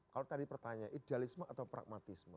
kalau tadi pertanyaan idealisme atau pragmatisme